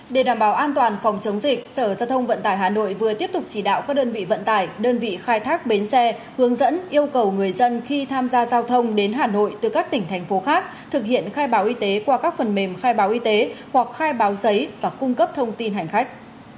để đảm bảo an toàn phòng chống dịch sở giao thông vận tải hà nội vừa tiếp tục chỉ đạo các đơn vị vận tải đơn vị khai thác bến xe hướng dẫn yêu cầu người dân khi tham gia giao thông đến hà nội từ các tỉnh thành phố khác thực hiện khai báo y tế qua các phần mềm khai báo y tế hoặc khai báo giấy và cung cấp thông tin hành khách